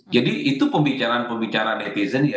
jadi itu pembicaraan pembicaraan netizen ya